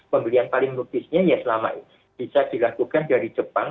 pembelian paling lukisnya ya selama ini bisa dilakukan dari jepang